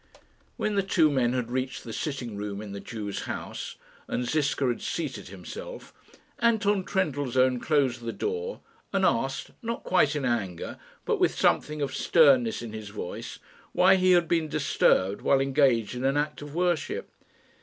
When the two men had reached the sitting room in the Jew's house, and Ziska had seated himself, Anton Trendellsohn closed the door, and asked, not quite in anger, but with something of sternness in his voice, why he had been disturbed while engaged in an act of worship.